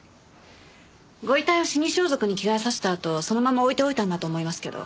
ご遺体を死に装束に着替えさせたあとそのまま置いておいたんだと思いますけど。